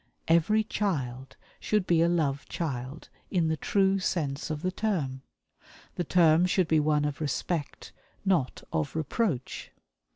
Every child should be a "love child" in the true sense of the term. The term should be one of respect, not of reproach.